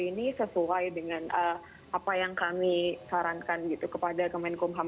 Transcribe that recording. ini sesuai dengan apa yang kami sarankan kepada kemen kumham